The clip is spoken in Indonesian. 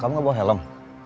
kamu gak bawa helm